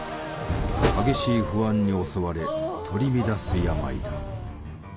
激しい不安に襲われ取り乱す病だ。